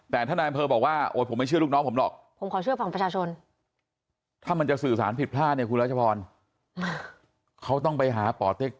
แต่ท่านอำเภอบอกว่าโอ้ยผมไม่เชื่อลูกน้องผมหรอก